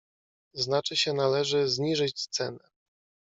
"Znaczy się należy „zniżyć cenę“."